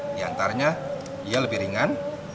di antaranya dia lebih ringan